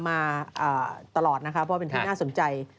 มาตลอดนะคะเพราะเป็นที่น่าสนใจ